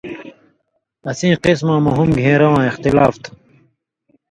اسیں قِسمؤں مہ ہُم گھېن٘رہ واں اِختِلاف تُھو